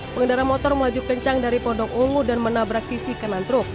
pengendara motor melaju kencang dari pondok ungu dan menabrak sisi kanan truk